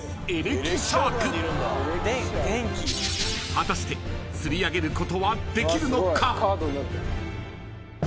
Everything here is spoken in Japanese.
［果たして釣り上げることはできるのか？］